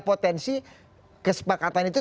potensi kesepakatan itu